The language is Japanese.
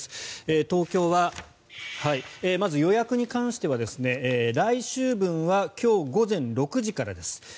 東京はまず予約に関しては来週分は今日午前６時からです。